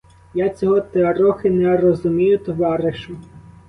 Я цього трохи не розумію, товаришу.